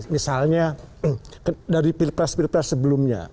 misalnya dari pilpres pilpres sebelumnya